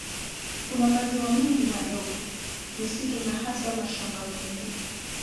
Kuna maziwa mengi madogo, misitu na hasa mashamba mengi.